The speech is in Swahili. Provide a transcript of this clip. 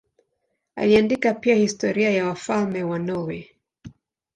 Aliandika pia historia ya wafalme wa Norwei.